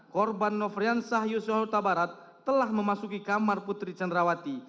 korban nofrian sahyus yota barat telah memasuki kamar putri candrawati